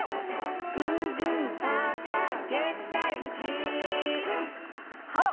「ぐーぐーぱーぱーげんだいじーん」ハッ！